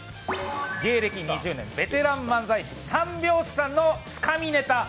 芸歴２０年、ベテラン漫才師・三拍子さんのつかみネタ。